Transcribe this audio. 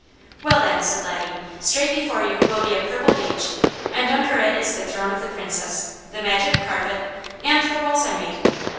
"Well then," said Laddie, "straight before you will be a purple beech, and under it is the throne of the Princess, the Magic Carpet, and the walls I made.